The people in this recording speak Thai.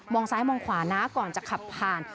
ซ้ายมองขวานะก่อนจะขับผ่าน